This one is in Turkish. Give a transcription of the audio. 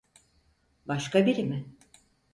Başka biri mi?